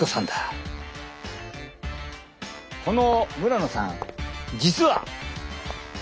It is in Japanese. この村野さん実は。